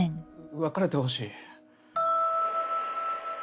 別れてほしい。